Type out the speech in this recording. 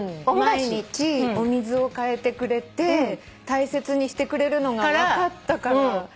毎日お水を替えてくれて大切にしてくれるのが分かったから。